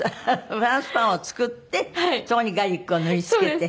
フランスパンを作ってそこにガーリックを塗りつけて？